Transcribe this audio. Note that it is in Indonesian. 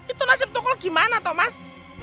itu nasib tokoh gimana thomas